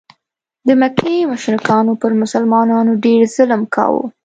د مکې مشرکانو پر مسلمانانو ډېر ظلم کاوه.